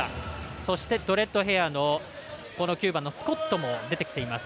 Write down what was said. そして、ドレッドヘアの９番のスコットも出てきています。